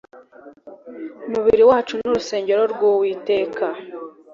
Umubiri wacu ni urusengero rw’uwiteka